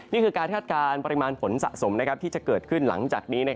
นี่คือการคาดการณ์ปริมาณฝนสะสมที่จะเกิดขึ้นหลังจากนี้